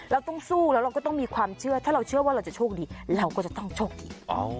เราต้องสู้แล้วเราก็ต้องมีความเชื่อถ้าเราเชื่อว่าเราจะโชคดีเราก็จะต้องโชคดี